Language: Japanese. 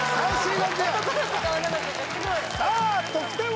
さあ得点は？